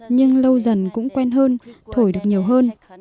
nhưng lâu dần cũng quen hơn thổi được nhiều hơn